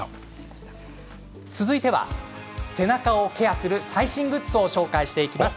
続いては背中をケアする最新グッズを紹介していきます。